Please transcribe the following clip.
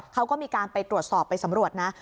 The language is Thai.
เขาก็มีการไปตรวจสอบไปสำรวจนะ